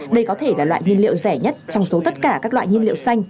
đây có thể là loại nhiên liệu rẻ nhất trong số tất cả các loại nhiên liệu xanh